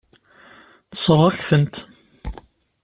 Tessṛeɣ-ak-tent.